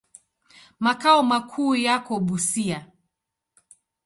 Makao makuu yako Busia.